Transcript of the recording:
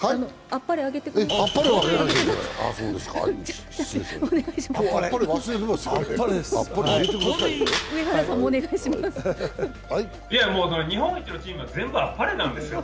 あっぱれ入れてくださいよ。